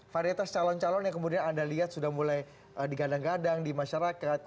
varietas calon calon yang kemudian anda lihat sudah mulai digadang gadang di masyarakat